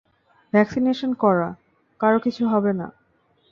Vaccination করা, কারো কিছু হবে না।